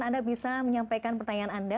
anda bisa menyampaikan pertanyaan anda